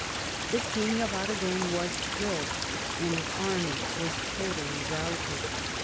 The king of Aragon was killed, and his army was totally routed.